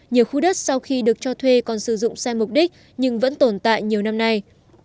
nhiều khu đất sau khi được cho thuê còn sử dụng sai mục đích nhưng vẫn tồn tại nhiều năm nay